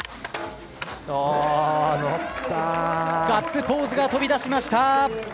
ガッツポーズが飛び出しました。